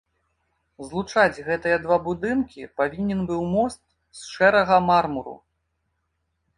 Злучаць гэтыя два будынкі павінен быў мост з шэрага мармуру.